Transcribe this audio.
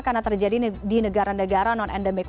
karena terjadi di negara negara non endemik